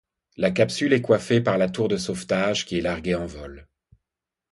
La capsule est coiffée par la tour de sauvetage qui est larguée en vol.